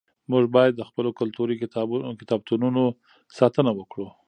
موږ باید د خپلو کلتوري کتابتونونو ساتنه وکړو.